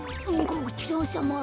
ごちそうさま。